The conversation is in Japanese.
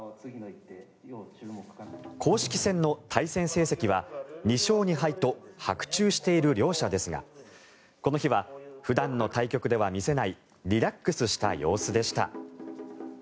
公式戦の対戦成績は２勝２敗と伯仲している両者ですがこの日は普段の対局では見せないリラックスした様子でした。